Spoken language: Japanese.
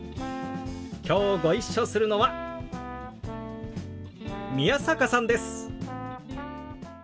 きょうご一緒するのは宮坂さんです。